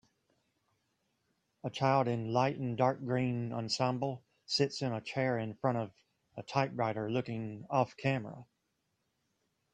A child in a light and dark green ensemble sits in a chair in front of a typewriter looking offcamera